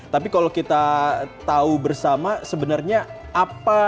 tapi kalau kita tahu bersama sebenarnya apa